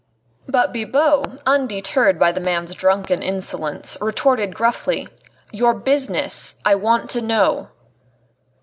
But Bibot, undeterred by the man's drunken insolence, retorted gruffly: "Your business, I want to know."